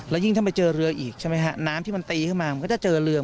แล้วยิ่งถ้าไปเจอเรือก็เห็นเรืออ่าร้านที่มันตีเข้ามามันจะเจอเรือ